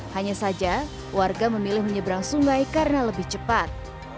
hanya saja warga memilih menyeberang sungai karena lebih cepat